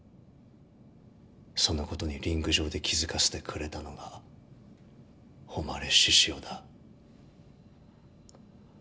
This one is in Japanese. そのことにリング上で気付かせてくれたのが誉獅子雄だ。